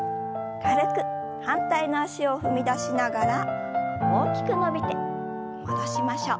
反対の脚を踏み出しながら大きく伸びて戻しましょう。